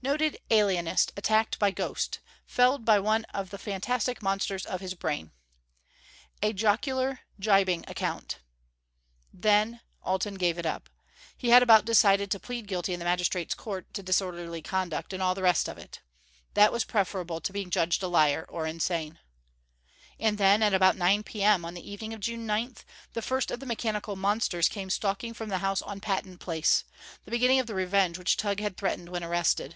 NOTED ALIENIST ATTACKED BY GHOST Felled by One of the Fantastic Monsters of His Brain A jocular, jibing account. Then Alten gave it up. He had about decided to plead guilty in the Magistrate's Court to disorderly conduct and all the rest of it! That was preferable to being judged a liar, or insane. And then, at about 9 P.M. on the evening of June 9, the first of the mechanical monsters came stalking from the house on Patton Place the beginning of the revenge which Tugh had threatened when arrested.